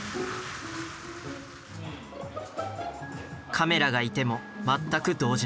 カメラがいても全く動じない。